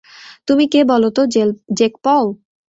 তুমি কে বলো তো, জেক পল?